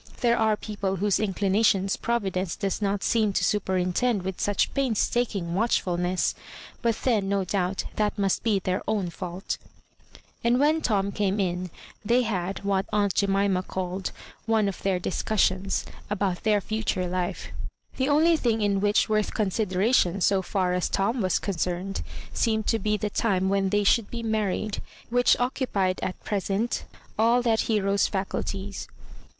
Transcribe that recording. There are people whose inclinations providence does not seem to superintend with such painstaking watchfulness ; bat then, no doubt, that must be their own fault And when Tom came in, they had what aunt Jemima called "one of their discussions " about their future life, the only thing in which worth consideration, so far as Tom was concerned, seemed to be the time when they should be married, which occupied at present all that he ro's faculties.